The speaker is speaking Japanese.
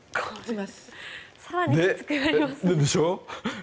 でしょ？